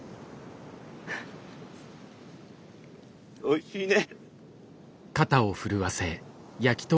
おいしいね。